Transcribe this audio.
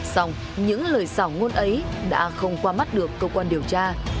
xong những lời xảo ngôn ấy đã không qua mắt được cơ quan điều tra